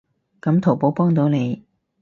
噉淘寶幫到你